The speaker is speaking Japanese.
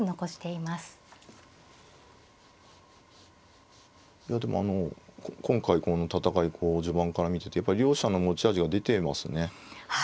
いやでもあの今回この戦いこう序盤から見ててやっぱり両者の持ち味が出てますね。